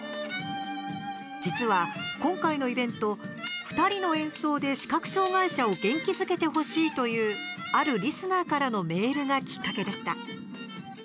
実は今回のイベント２人の演奏で視覚障害者を元気づけてほしいというあるリスナーからのメールがきっかけでした。